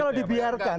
ini kalau dibiarkan